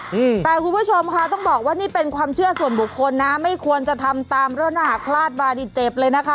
อืมแต่คุณผู้ชมค่ะต้องบอกว่านี่เป็นความเชื่อส่วนบุคคลนะไม่ควรจะทำตามลักษณะคลาดวาดิเจ็บเลยนะคะ